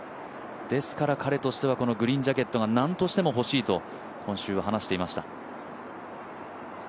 ですから彼としてはグリーンジャケットがなんとしても欲しいと今週、話していました。